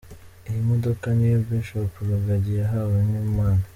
Iyi modoka ni yo Bishop Rugagi yahawe nk’impano